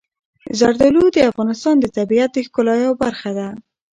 زردالو د افغانستان د طبیعت د ښکلا یوه برخه ده.